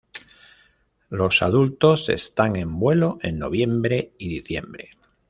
Los adultos están en vuelo en noviembre y diciembre.